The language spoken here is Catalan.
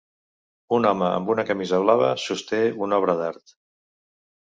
Un home amb una camisa blava sosté una obra d'art.